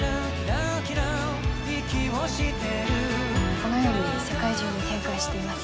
このように世界中に展開しています。